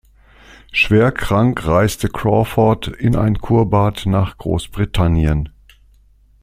Schwer krank reiste Crawford in ein Kurbad nach Großbritannien.